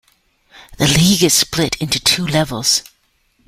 The league is split into two levels.